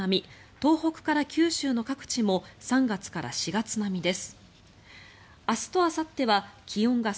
東北から九州の各地も３月から４月並みです。